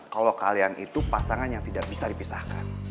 kalau kalian itu pasangan yang tidak bisa dipisahkan